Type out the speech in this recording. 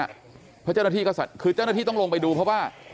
เพราะเจ้าหน้าที่ก็คือเจ้าหน้าที่ต้องลงไปดูเพราะว่า